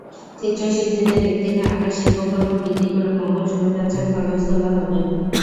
চিত্রশিল্পীদের একদিনে আঁকা শিল্পকর্ম বিক্রি করে মঙ্গল শোভাযাত্রার খরচ তোলা হবে।